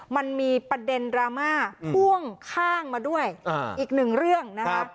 มันมีประเด็นดราม่าพ่วงข้างมาด้วยอีกหนึ่งเรื่องนะคะ